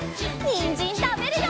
にんじんたべるよ！